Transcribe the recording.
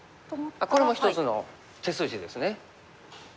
これも一つの手筋ですね。